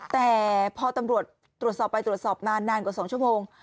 แต่พอตำรวจตรวจสอบไปตรวจสอบนานนานกว่า๒ชั่วโมง